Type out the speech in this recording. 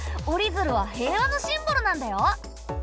折りづるは平和のシンボルなんだよ。